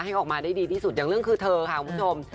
ให้ออกมาได้ดีที่สุดอย่างเรื่องคือเธอค่ะคุณผู้ชม